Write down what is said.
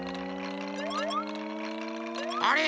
あれ？